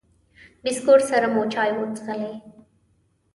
د بسکوټ سره مو چای وڅښلې.